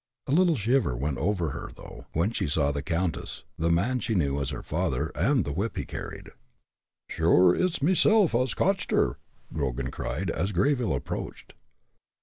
A little shiver went over her, though, when she saw the countess, the man she knew as her father, and the whip he carried. "Sure, it's mesilf as cotched her," Grogan cried, as Greyville approached.